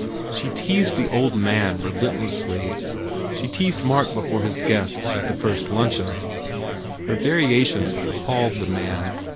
She teased the old man relentlessly. She teased Mark before his guests at the first lunch eon. Her variations appalled the man.